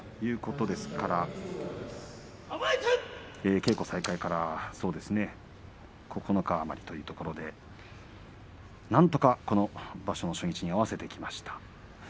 稽古再開から９日余りというところでなんとか、この場所の初日に合わせてきました。